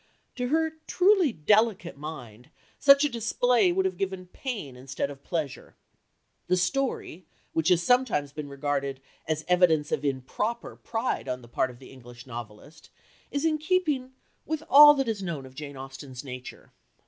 To her truly delicate mind such a display would have given pain instead of pleasure." The story, which has sometimes been regarded as evidence of improper pride on the part of the English novelist, is in keeping with all that is known of Jane Austen's nature.